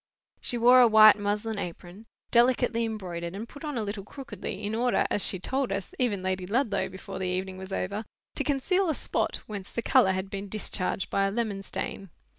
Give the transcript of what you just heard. She wore a white muslin apron, delicately embroidered, and put on a little crookedly, in order, as she told us, even Lady Ludlow, before the evening was over, to conceal a spot whence the colour had been discharged by a lemon stain.